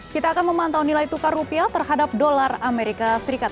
kita akan memantau nilai tukar rupiah terhadap dolar amerika serikat